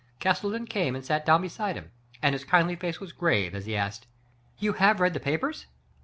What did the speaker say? Castleton came and sat down beside him, and his kindly face was grave as he asked: " You have read the papers